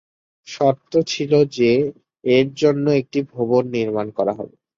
শর্ত ছিল যে এর জন্য একটি ভবন নির্মাণ করা হবে।